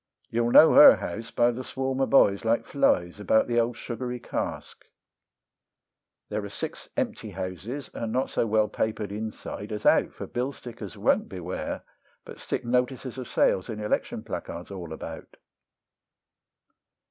You'll know her house by the swarm of boys, like flies, about the old sugary cask: There are six empty houses, and not so well papered inside as out, For bill stickers won't beware, but stick notices of sales and election placards all about.